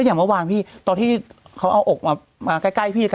อย่างเมื่อวานพี่ตอนที่เขาเอาอกมาใกล้พี่